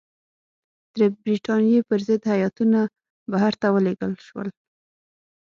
د برټانیې پر ضد هیاتونه بهر ته ولېږل شول.